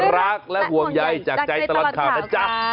รักและห่วงใยจากใจตลอดข่าวนะจ๊ะ